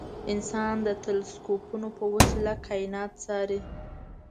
انسان د تلسکوپونو په وسیله کاینات څاري.